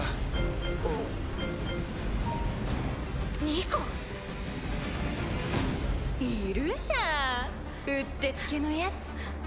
ピコンニカ⁉いるじゃんうってつけのヤツ。